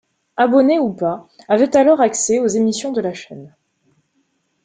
Abonnés ou pas avaient alors accès aux émissions de la chaîne.